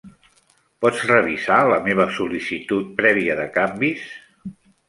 Pots revisar la meva sol·licitud prèvia de canvis?